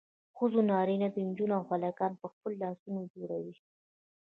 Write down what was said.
ښځې نارینه نجونې او هلکان یې په خپلو لاسونو جوړوي.